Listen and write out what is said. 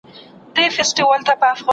کېدای سي فکر ستونزي ولري؟!